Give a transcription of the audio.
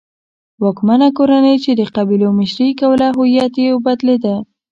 واکمنه کورنۍ چې د قبیلو مشري یې کوله هویت یې بدلېده.